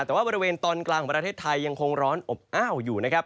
แต่ว่าบริเวณตอนกลางของประเทศไทยยังคงร้อนอบอ้าวอยู่นะครับ